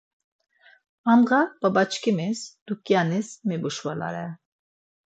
Andğa babaçkimis, dukyanis mebuşvelare.